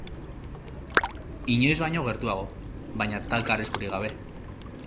Inoiz baino gertuago, baina talka arriskurik gabe.